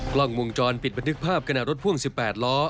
กล้องวงจรปิดบันทึกภาพขณะรถพ่วง๑๘ล้อ